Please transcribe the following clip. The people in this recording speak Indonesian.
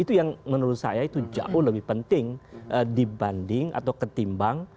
itu yang menurut saya itu jauh lebih penting dibanding atau ketimbang